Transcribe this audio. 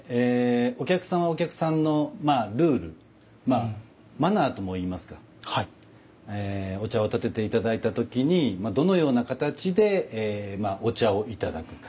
お客さんはお客さんのルールまあマナーともいいますかお茶を点てて頂いた時にどのような形でお茶を頂くか。